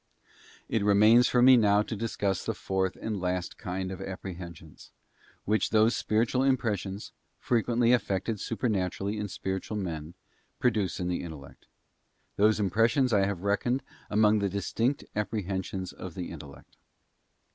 Ir remains for me now to discuss the fourth and last kind of apprehensions, which those spiritual impressions, frequently effected supernaturally in spiritual men, produce in the intellect. Those impressions I have reckoned among the distinct apprehensions of the intellect.